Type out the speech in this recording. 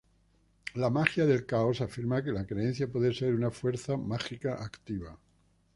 La magia del caos afirma que la Creencia puede ser una fuerza mágica activa.